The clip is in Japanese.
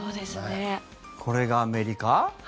これがアメリカ？